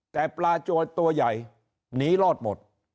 แต่ปลาโจรตัวใหญ่หนีรอดหมด